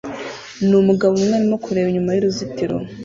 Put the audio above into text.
numugabo umwe arimo kureba inyuma yuruzitiro